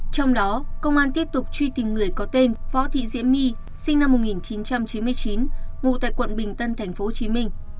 công an tiếp tục truy tìm người có tên phó thị diễm my sinh năm một nghìn chín trăm chín mươi chín ngụ tại quận bình tân tp hcm